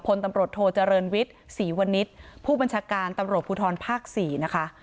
พลตำรวจโทเจริญวิทย์ศรีวณิชย์ผู้บัญชาการตำรวจภูทรภาค๔นะคะ